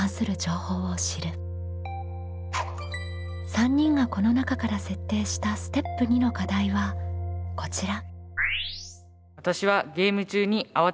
３人がこの中から設定したステップ２の課題はこちら。